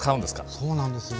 そうなんですよ。